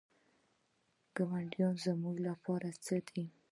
ګاونډیان زموږ لپاره څه دي؟